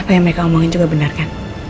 apa yang mereka omongin juga benar kan